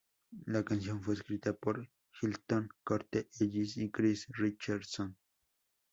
La canción fue escrita por Hilton, Corte Ellis y Chris Richardson.